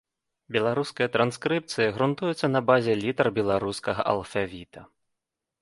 Беларуская транскрыпцыя грунтуецца на базе літар беларускага алфавіта.